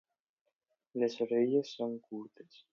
Les orelles són curtes.